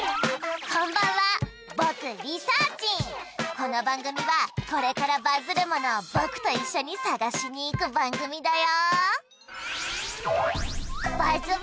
この番組はこれからバズるものをぼくと一緒に探しに行く番組だよ